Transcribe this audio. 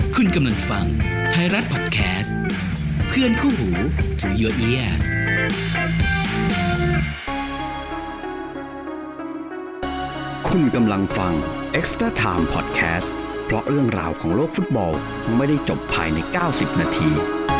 คุณกำลังฟังไทยรัฐพอดแคสต์เพื่อนคู่หูที่คุณกำลังฟังพอดแคสต์เพราะเรื่องราวของโลกฟุตบอลไม่ได้จบภายใน๙๐นาที